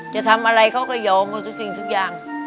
จะทำอะไรเขาก็ยอมกับสิ่งอย่าง